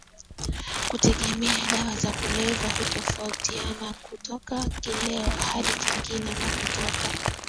kutegemea dawa za kulevya hutofautiana kutoka kileo hadi kingine na kutoka